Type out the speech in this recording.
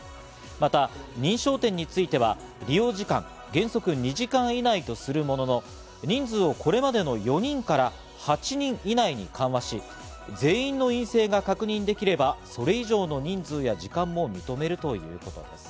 また認証店については利用時間、原則２時間以内とするものの、人数をこれまでの４人から８人以内に緩和し、全員の陰性が確認できれば、それ以上の人数や時間も認めるということです。